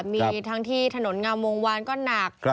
มีทั้งที่ถนนงามวงวานก็หนัก